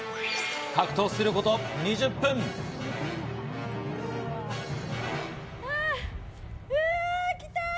格闘すること２０分。わ！来た！